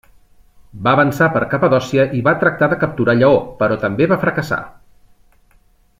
Va avançar per Capadòcia i va tractar de capturar Lleó, però també va fracassar.